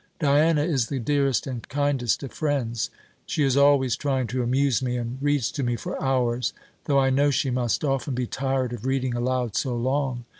Diana is the dearest and kindest of friends. She is always trying to amuse me, and reads to me for hours, though I know she must often be tired of reading aloud so long.